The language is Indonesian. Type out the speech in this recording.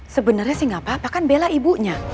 sebenernya sih gapapa kan bella ibunya